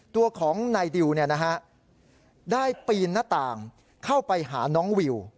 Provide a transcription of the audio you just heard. ตัวของนายดิวได้ปีนหน้าต่างเข้าไปหาน้องวิว